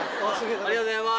ありがとうございます。